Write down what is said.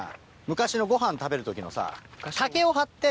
昔のごはん食べる時のさ竹を張って。